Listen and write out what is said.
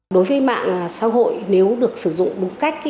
đối với mạng xã hội nếu được sử dụng đúng cách